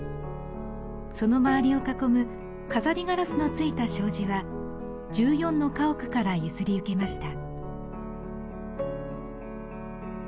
その周りを囲む飾りガラスのついた障子は１４の家屋から譲り受けました。